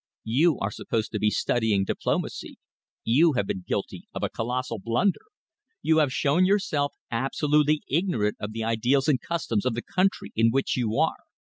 You are supposed to be studying diplomacy. You have been guilty of a colossal blunder. You have shown yourself absolutely ignorant of the ideals and customs of the country in which you are.